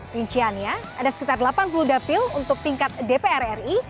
rinciannya ada sekitar delapan puluh dapil untuk tingkat dpr ri